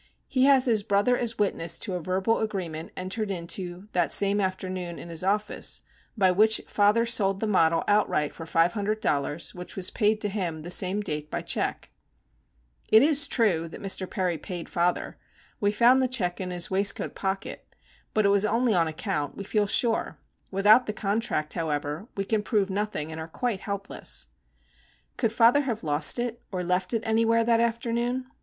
He has his brother as witness to a verbal agreement entered into that same afternoon in his office by which father sold the model outright for five hundred dollars, which was paid to him the same date by check. It is true that Mr. Perry paid father. We found the check in his waistcoat pocket; but it was only on account, we feel sure. Without the contract, however, we can prove nothing and are quite helpless. Could father have lost it, or left it anywhere that afternoon?